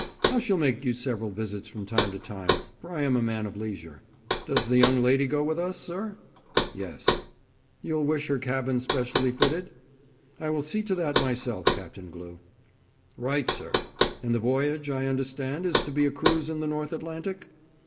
I shall make you several visits from time to time, for I am a man of leisure.' 'Does the young lady go with us, sir?' 'Yes.' 'You'll wish her cabin specially fitted?' 'I will see to that myself, Captain Glew.' 'Right, sir. And the voyage, I understand, is to be a cruise in the North Atlantic?'